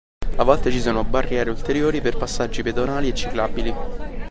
A volte ci sono barriere ulteriori per passaggi pedonali e ciclabili.